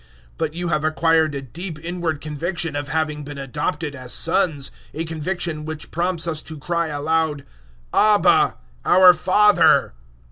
But you have acquired a deep inward conviction of having been adopted as sons a conviction which prompts us to cry aloud, "Abba! our Father!"